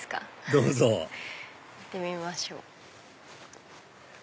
どうぞ行ってみましょう。